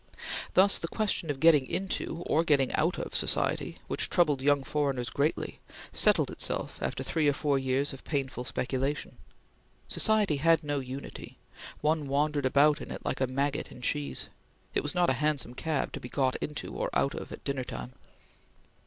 Thus the question of getting into or getting out of society which troubled young foreigners greatly, settled itself after three or four years of painful speculation. Society had no unity; one wandered about in it like a maggot in cheese; it was not a hansom cab, to be got into, or out of, at dinner time.